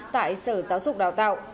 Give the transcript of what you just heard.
tại sở giáo dục đào tạo